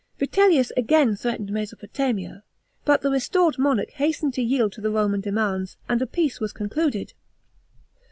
Vitellius again threatened Mesopotamia ; but the restored monarch hastened to yield to the Roman demands, and a peace was concluded.